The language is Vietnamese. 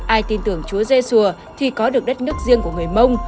ai tin tưởng chúa giê sùa thì có được đất nước riêng của người mông